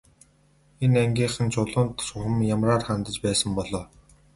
Энэ ангийнхан Чулуунд чухам ямраар хандаж байсан бол оо.